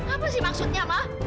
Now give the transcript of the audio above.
apa sih maksudnya ma